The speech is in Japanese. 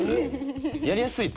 やりやすい？